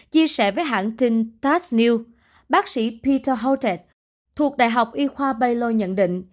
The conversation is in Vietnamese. chia sẻ với hãng tin tasnew bác sĩ peter holtet thuộc đại học y khoa baylor nhận định